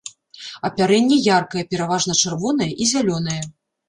Апярэнне яркае, пераважна чырвонае і зялёнае.